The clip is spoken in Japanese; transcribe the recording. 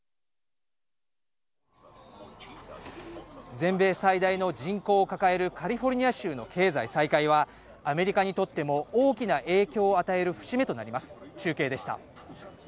全米最大の人口を抱えるカリフォルニア州の経済再開は、アメリカにとっても大きな影響を与える節目となります。